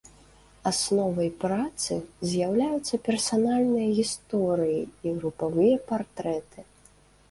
Асновай працы з'яўляюцца персанальныя гісторыі і групавыя партрэты.